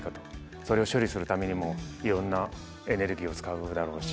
それを処理するためにもいろんなエネルギーを使うだろうし。